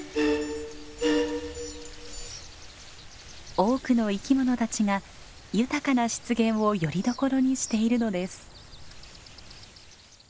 多くの生き物たちが豊かな湿原をよりどころにしているのです。